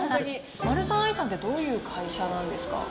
マルサンアイさんって、どういう会社なんですか？